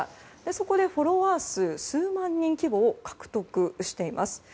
そこでフォロワー数数万人規模を獲得しています。